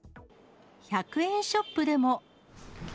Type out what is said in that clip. １００円ショップでも。